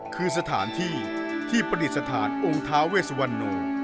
คือสถานที่ที่ปฏิสถานองค์ท้าเวสวันนูร์